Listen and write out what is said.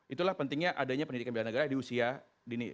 itulah pentingnya adanya pendidikan bela negara di usia dini